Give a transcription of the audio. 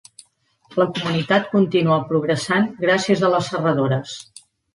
La comunitat continua progressant gràcies a les serradores.